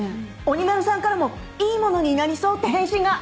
鬼丸さんからも「いいものになりそう」って返信が。